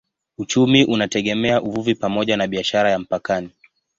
Uchumi unategemea uvuvi pamoja na biashara ya mpakani.